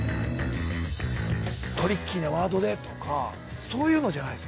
トリッキーなワードでとか、そういうのじゃないんです。